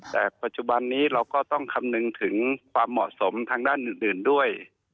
แต่ปัจจุบันนี้เราก็ต้องคำนึงถึงความเหมาะสมทางด้านอื่นด้วย